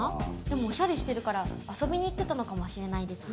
おしゃれしてるから遊びに行ってたのかもしれないですね。